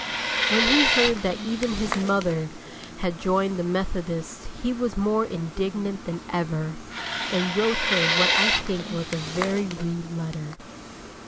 When he heard that even his mother had joined the Methodists he was more indignant than ever, and wrote her what I think was a very rude letter.